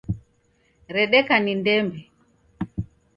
Redeka ni ndembe